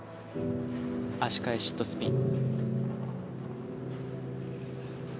足換えシットスピン。